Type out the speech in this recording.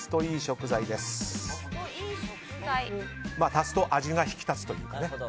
足すと味が引き立つというか。